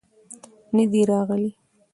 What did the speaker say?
نه دى راغلى.